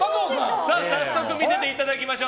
早速見せていただきましょう。